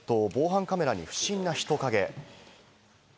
防犯カメラに不審な人影。